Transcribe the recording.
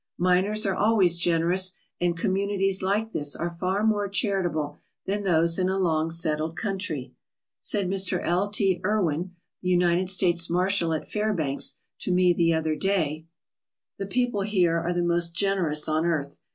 Miners are always generous and communities like this are far more charitable than those in a long settled country. Said Mr. L. T. Erwin, the United States Marshal at Fairbanks, to me the other day: ALASKA OUR NORTHERN WONDERLAND "The people here are the most generous on earth.